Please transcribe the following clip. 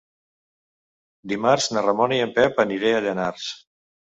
Dimarts na Ramona i en Pep aniré a Llanars.